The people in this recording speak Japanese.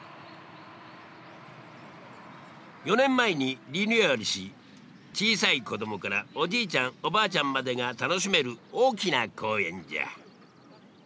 ４年前にリニューアルし小さい子供からおじいちゃんおばあちゃんまでが楽しめる大きな公園じゃ。